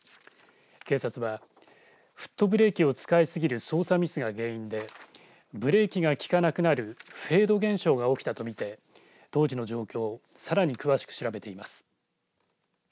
警察はフットブレーキを使いすぎる操作ミスが原因でブレーキが効かなくなるフェード現象が起きたと見て当時の状況をさらに詳しく調べています。